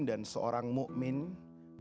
disamping orang yang berpegang tetangga